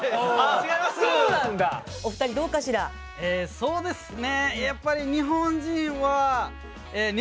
そうですね。